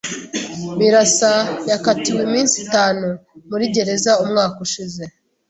Birasa yakatiwe iminsi itanu muri gereza umwaka ushize